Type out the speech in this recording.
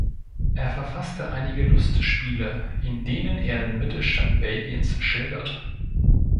Er verfasste einige Lustspiele, in denen er den Mittelstand Belgiens schildert.